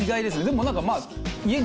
でもなんかまあ。